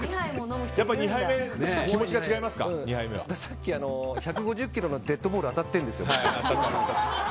さっき１５０キロのデッドボール当たってるんですよ。